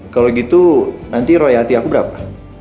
kalo gitu nanti royalti aku berapa